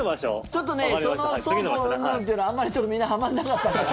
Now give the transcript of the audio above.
ちょっと倉庫うんぬんというのはあんまりちょっとみんなはまらなかったから。